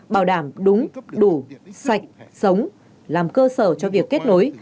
bảo đảm đúng đủ sạch sống làm cơ sở cho việc kết nối